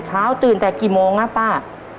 เช้าตื่นแต่กี่โมงน่ะป๊า